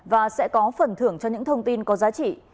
và sẽ có phần thưởng cho những thông tin có giá trị